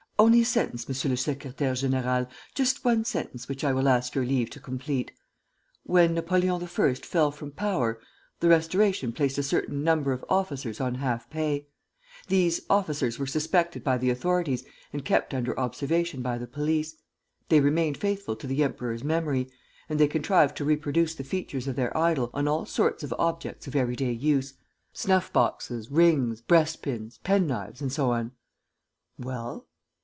"Only a sentence, monsieur le secrétaire; général, just one sentence which I will ask your leave to complete. When Napoleon I fell from power, the Restoration placed a certain number of officers on half pay. These officers were suspected by the authorities and kept under observation by the police. They remained faithful to the emperor's memory; and they contrived to reproduce the features of their idol on all sorts of objects of everyday use; snuff boxes, rings, breast pins, pen knives and so on." "Well?"